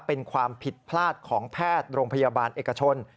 เป็นความผิดพลาดของแพทย์โรงพยาบาลเอกชน